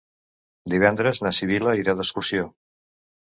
Divendres na Sibil·la irà d'excursió.